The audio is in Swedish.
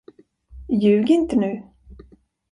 Ljug inte nu!